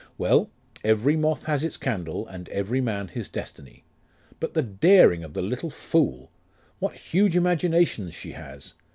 Well, every moth has its candle, and every man his destiny. But the daring of the little fool! What huge imaginations she has!